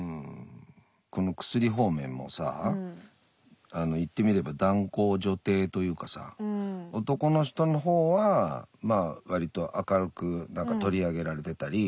この薬方面もさ言ってみれば男高女低というかさ男の人の方はまあわりと明るく取り上げられてたり手に入りやすかったり。